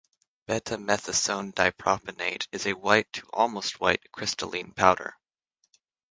Betamethasone dipropionate is a white to almost white crystalline powder.